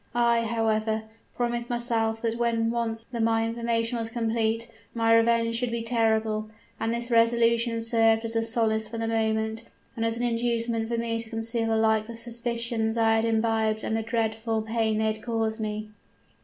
I, however, promised myself that when once my information was complete, my revenge should be terrible; and this resolution served as a solace for the moment, and as an inducement for me to conceal alike the suspicions I had imbibed and the dreadful pain they had caused me.